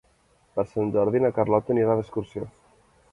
Per Sant Jordi na Carlota anirà d'excursió.